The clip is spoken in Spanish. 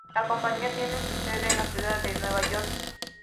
La compañía tiene su sede en la ciudad de Nueva York.